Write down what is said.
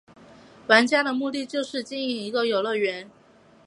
玩家的目的是经营一个游乐园。